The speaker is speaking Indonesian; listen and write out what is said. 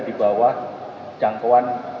di bawah jangkauan